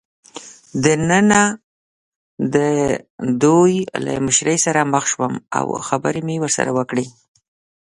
دننه د دوی له مشرې سره مخ شوم او خبرې مې ورسره وکړې.